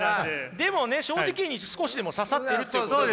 でもね正直に少しでも刺さってるっていうことですから。